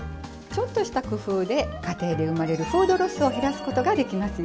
ちょっとした工夫で家庭で生まれるフードロスを減らすことができますよ。